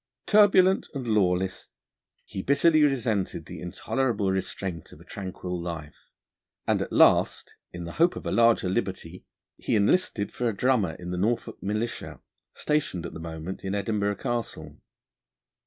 Turbulent and lawless, he bitterly resented the intolerable restraint of a tranquil life, and, at last, in the hope of a larger liberty, he enlisted for a drummer in the Norfolk Militia, stationed at the moment in Edinburgh Castle.